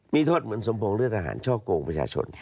มีโทษเหมือนสมพงษ์เลือดทหารชอบโกหกประชาชน